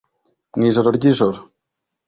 mwijoro ryijoro